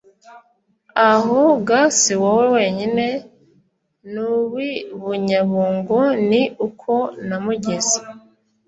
aho ga si wowe wenyine, n’uw’i bunyabungo ni uko namugize”.